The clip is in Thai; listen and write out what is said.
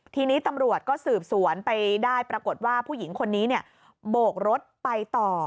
ทีนี้ตำรวจก็สืบสวนไปได้ปรากฏว่าผู้หญิงคนนี้โบกรถไปต่อ